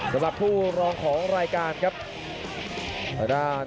สำหรับผู้รองของรายการครับ